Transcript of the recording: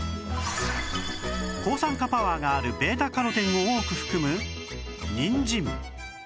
抗酸化パワーがある β− カロテンを多く含むにんじん